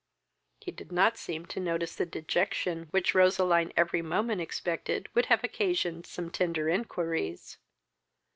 He did not seem to notice the dejection which Roseline every moment expected would have occasioned some tender inquiries.